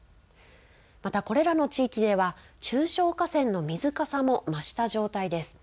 またこれらの地域では中小河川の水かさも増した状態です。